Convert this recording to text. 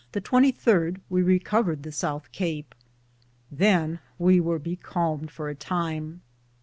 The 23 we Recovered the Soothe Cape. Than we weare becalmed for a time.